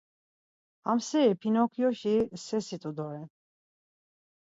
Ham sersi Pinokyoşi sersi t̆u doren.